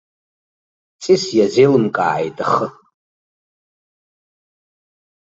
Ҵис иазеилымкааит ахы.